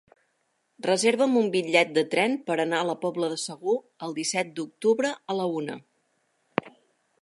Reserva'm un bitllet de tren per anar a la Pobla de Segur el disset d'octubre a la una.